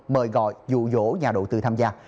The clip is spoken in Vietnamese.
mời gọi dụ dỗ nhà đầu tư tham gia